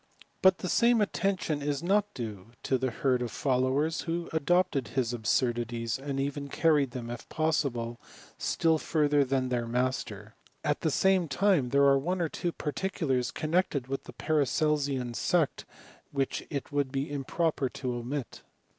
But the same attention is not due to the herd of fol lowers who adopted his absurdities, and even carried them, if possible, still further than their master : at the same time there are one or two particulars con nected with the Paracelsian sect which it would be improper to omit.